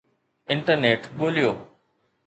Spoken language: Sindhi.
انٽرنيٽ ڳوليو